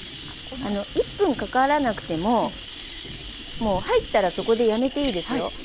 １分かからなくてももう入ったらそこでやめていいですよ。